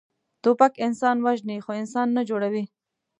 توپک انسان وژني، خو انسان نه جوړوي.